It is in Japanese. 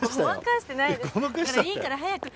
いいから早く。